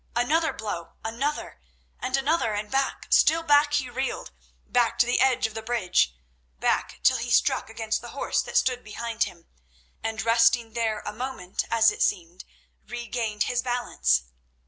Another blow, another, and another, and back, still back he reeled—back to the edge of the bridge, back till he struck against the horse that stood behind him, and, resting there a moment, as it seemed, regained his balance.